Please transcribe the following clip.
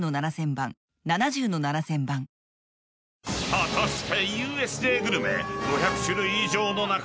［果たして］